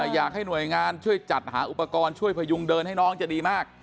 อยากให้หน่วยงานช่วยจัดหาอุปกรณ์ช่วยพยุงเดินให้น้องจะดีมาก